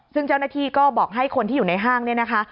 ซึ่งเจ้าหน้าที่ก็บอกให้คนที่อยู่ในห้างเนี่ยนะคะ